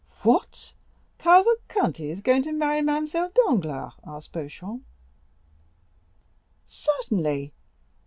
"What? Cavalcanti is going to marry Mademoiselle Danglars?" asked Beauchamp. "Certainly!